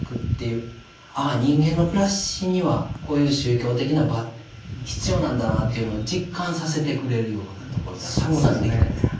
ああ人間の暮らしにはこういう宗教的な場必要なんだなっていうのを実感させてくれるようなところがたくさんできています。